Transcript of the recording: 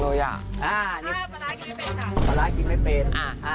เปิดดูดิเปิดอยากกินอะไรต้องเปิดเอา